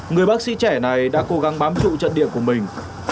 người bác sĩ trẻ này đã cố gắng bám trụ trận địa của mình